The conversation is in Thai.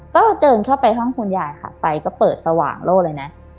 ก็เดินเข้าไปห้องคุณยายค่ะไปก็เปิดสว่างโล่เลยนะ